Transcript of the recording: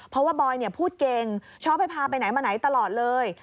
เพราะว่าบอยพูดเก่งชอบให้พาไปไหนมาไหนตลอดเลย